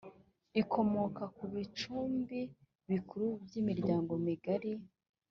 ikomoka ku bicumbi bikuru byimiryango migari